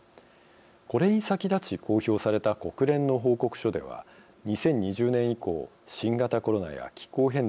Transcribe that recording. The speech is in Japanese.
これに先立ち公表された国連の報告書では２０２０年以降新型コロナや気候変動